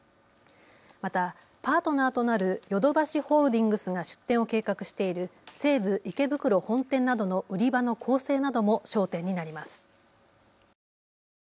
またパートナーとなるヨドバシホールディングスが出店を計画している西武池袋本店などの売り場の構成なども焦点になります。